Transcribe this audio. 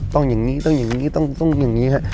ต้องอย่างนี้ต้องอย่างนี้ต้องอย่างนี้ครับ